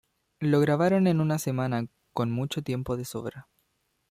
Lo grabaron en una semana con mucho tiempo de sobra.